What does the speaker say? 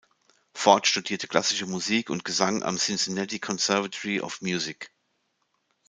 Ford studierte klassische Musik und Gesang am "Cincinnati Conservatory of Music".